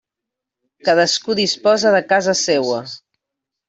Cadascú disposa de casa seua.